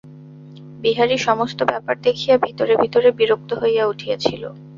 বিহারী সমস্ত ব্যাপার দেখিয়া ভিতরে ভিতরে বিরক্ত হইয়া উঠিয়াছিল।